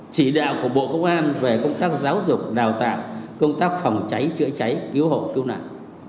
chỉ đạo của bộ công an về công tác giáo dục đào tạo công tác phòng cháy chữa cháy cứu hộ cứu nạn